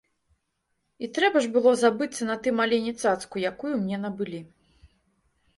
І трэба ж было забыцца на тым алені цацку, якую мне набылі.